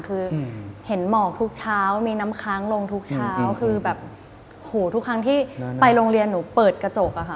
คือเห็นหมอกทุกเช้ามีน้ำค้างลงทุกเช้าคือแบบโหทุกครั้งที่ไปโรงเรียนหนูเปิดกระจกอะค่ะ